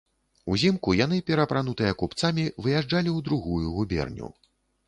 Узімку яны, пераапранутыя купцамі, выязджалі ў другую губерню.